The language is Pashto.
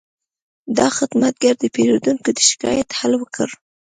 دا خدمتګر د پیرودونکي د شکایت حل وکړ.